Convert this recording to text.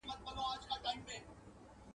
اوس به څه کوو ملګرو په ایمان اعتبار نسته ..